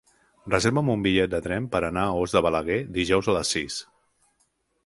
Reserva'm un bitllet de tren per anar a Os de Balaguer dijous a les sis.